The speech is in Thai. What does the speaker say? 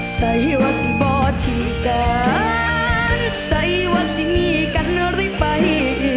ใส่ว่าจะเป่าที่กันใส่ว่าจะมีกันหรือไป